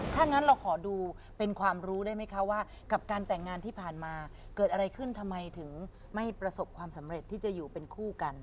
ถ้างั้นเราขอดูเป็นความรู้ได้ไหมคะว่ากับการแต่งงานที่ผ่านมาเกิดอะไรขึ้นทำไมถึงไม่ประสบความสำเร็จที่จะอยู่เป็นคู่กัน